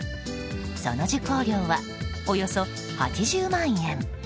その受講料は、およそ８０万円。